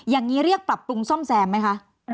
อย่างนี้เรียกปรับปรุงซ่อมแซมไหมคะ